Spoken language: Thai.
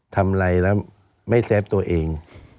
ทำอะไรแล้วไม่เซฟตัวเอง